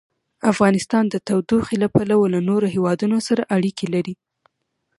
افغانستان د تودوخه له پلوه له نورو هېوادونو سره اړیکې لري.